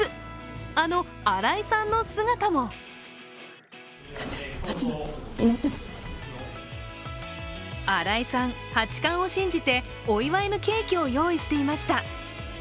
あの新井さんの姿も新井さん、八冠を信じてお祝いのケーキを用意していました。